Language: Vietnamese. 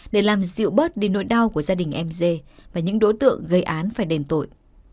để làm dịu bớt đi nỗi đau của gia đình m dê và những đối tượng gây án phải đền tội